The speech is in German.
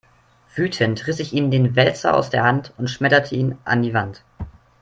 Wütend riss ich ihm den Wälzer aus der Hand und schmetterte ihn an die Wand.